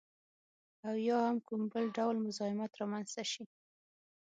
او یا هم کوم بل ډول مزاحمت رامنځته شي